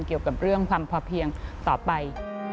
เกี่ยวกับเรื่องความพอเพียงต่อไป